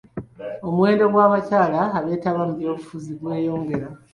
Omuwendo gw'abakyala ebeetaba mu byobufuzi gweyongera.